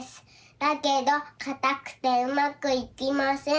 だけどかたくてうまくいきません。